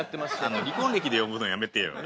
あの離婚歴で呼ぶのやめてよ。